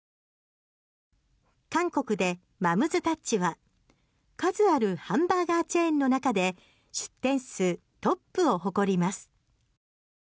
韓国でＭＯＭ’ＳＴＯＵＣＨは数あるハンバーガーチェーンの中で出店数トップを誇ります。